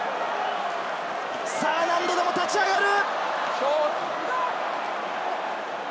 何度でも立ち上がる。